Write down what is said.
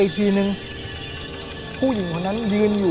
ผมก็ไม่เคยเห็นว่าคุณจะมาทำอะไรให้คุณหรือเปล่า